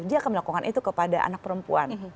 dia akan melakukan itu kepada anak perempuan